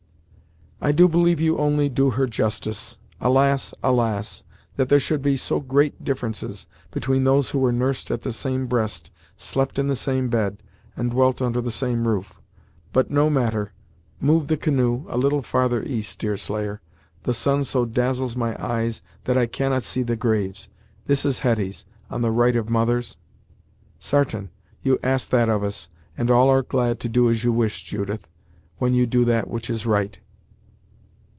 "I do believe you only do her justice! Alas! Alas! that there should be so great differences between those who were nursed at the same breast, slept in the same bed, and dwelt under the same roof! But, no matter move the canoe, a little farther east, Deerslayer the sun so dazzles my eyes that I cannot see the graves. This is Hetty's, on the right of mother's?" "Sartain you ask'd that of us, and all are glad to do as you wish, Judith, when you do that which is right."